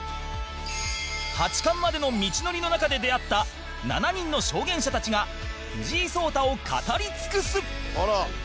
八冠までの道のりの中で出会った７人の証言者たちが藤井聡太を語り尽くす！